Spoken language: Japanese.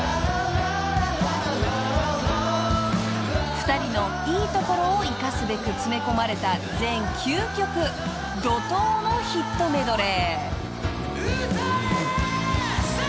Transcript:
［２人のいいところを生かすべく詰め込まれた全９曲怒濤のヒットメドレー］歌え！